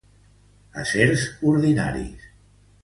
Acers ordinaris.